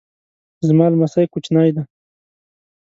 زما لمسی کوچنی دی